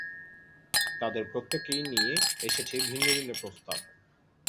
তাদের প্রত্যেকেই নিয়ে এসেছে ভিন্ন ভিন্ন প্রস্তাব।